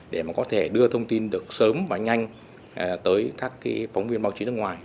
để mà có thể đưa thông tin được sớm và nhanh tới các phóng viên báo chí nước ngoài